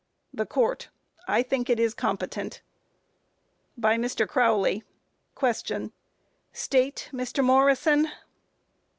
THE COURT: I think it is competent. By MR. CROWLEY: Q. State, Mr. Morrison?